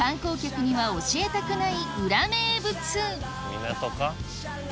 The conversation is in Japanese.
港か？